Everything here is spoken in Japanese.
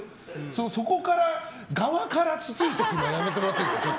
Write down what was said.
そこから、側からつついてくるのやめてもらえますか。